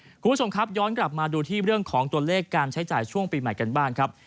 คุณผู้ชมครับย้อนกลับมาดูที่เรื่องของตัวเลขการใช้จ่ายช่วงปีใหม่กันบ้างครับ